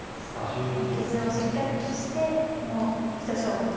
この傷をしっかり消してもう一勝負と。